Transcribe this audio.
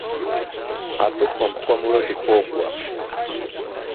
Абы хуэм-хуэмурэ дыхуокӏуэ.